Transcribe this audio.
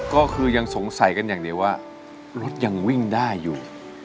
ก็คือยังสงสัยกันอย่างเดียวว่ารถยังวิ่งได้อยู่